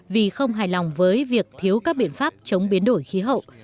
vì không hài lòng với việc thiếu các biện pháp chống biến đổi khí hậu